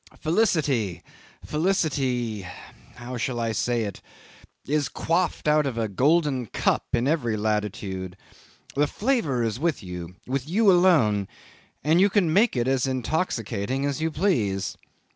Felicity, felicity how shall I say it? is quaffed out of a golden cup in every latitude: the flavour is with you with you alone, and you can make it as intoxicating as you please.